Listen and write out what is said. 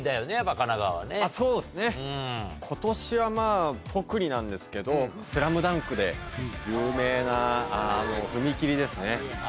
そうですね今年は特になんですけど『ＳＬＡＭＤＵＮＫ』で有名なあの踏切ですね。